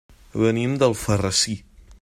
Venim d'Alfarrasí.